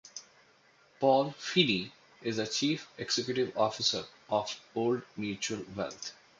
Paul Feeney is the Chief Executive Officer of Old Mutual Wealth.